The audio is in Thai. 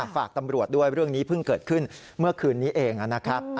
ฝากตำรวจด้วยเรื่องนี้เพิ่งเกิดขึ้นเมื่อคืนนี้เองนะครับ